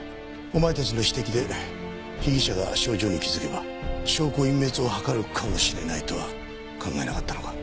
お前たちの指摘で被疑者が症状に気づけば証拠隠滅を図るかもしれないとは考えなかったのか？